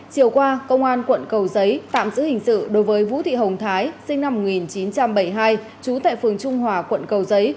chiều qua công an quận cầu giấy tạm giữ hình sự đối với vũ thị hồng thái sinh năm một nghìn chín trăm bảy mươi hai trú tại phường trung hòa quận cầu giấy